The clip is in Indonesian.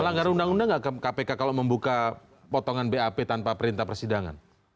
melanggar undang undang nggak kpk kalau membuka potongan bap tanpa perintah persidangan